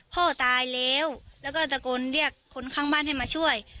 พ่อตายแล้วแล้วก็ตะโกนเรียกคนข้างบ้านให้มาช่วย